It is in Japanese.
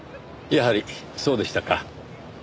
やはりそうでしたか。